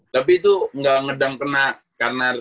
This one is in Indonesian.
tapi itu nggak ngedang kena karena